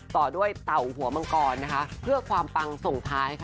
ต่อด้วยเต่าหัวมังกรนะคะเพื่อความปังส่งท้ายค่ะ